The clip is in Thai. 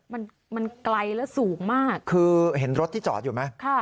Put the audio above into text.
มันมันไกลและสูงมากคือเห็นรถที่จอดอยู่ไหมค่ะ